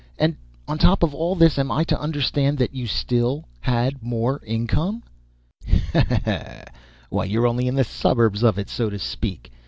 and on top of all this am I to understand that you had still more income?" "Ha! ha! ha! Why, you're only in the suburbs of it, so to speak.